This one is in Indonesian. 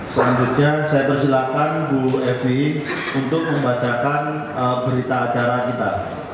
selanjutnya saya persilahkan bu evi untuk membacakan berita acara kita